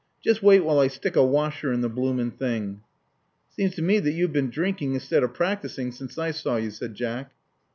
Just wait while I stick a washer in the bloomin' thing." It seems to me that you have been drinking instead of practising, since I saw you," said Jack.